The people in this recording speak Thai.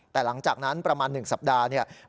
แต่หลังจากนั้นประมาณ๑สัปดาห์เนี่ย